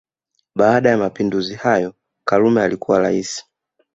Baada ya Mapinduzi hayo karume alikuwa Rais